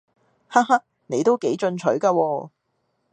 哈哈你都幾進取㗎喎